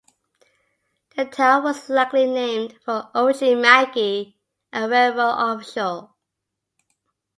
The town was likely named for O. J. Mackey, a railroad official.